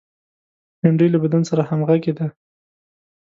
بېنډۍ له بدن سره همغږې ده